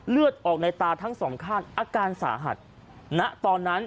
เลือดออกในตาทั้งสองข้างอาการสาหัสณตอนนั้น